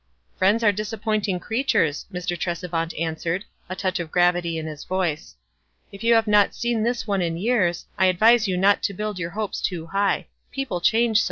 "Friends are disappointing creatures," Mr. Tresevant answered, a touch of gravity in his voice. " If you have not seen this one in years. I advise you not to build your hopes too high # WISE AND OTHERWISE.